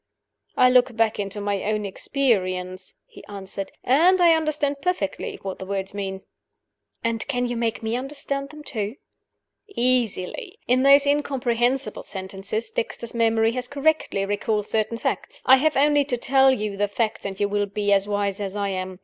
"I look back into my own experience," he answered, "and I understand perfectly what the words mean." "And can you make me understand them too?" "Easily. In those incomprehensible sentences Dexter's memory has correctly recalled certain facts. I have only to tell you the facts, and you will be as wise as I am.